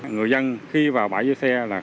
người dân khi vào bãi dưới xe là